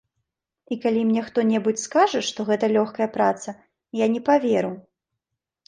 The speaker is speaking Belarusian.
І калі мне хто-небудзь скажа, што гэта лёгкая праца, я не паверу.